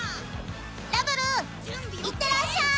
ラブルいってらっしゃい！